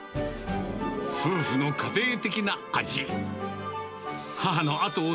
夫婦の家庭的な味。